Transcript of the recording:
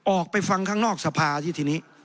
ออกไปฟังข้างนอกสภาที่ทีนี้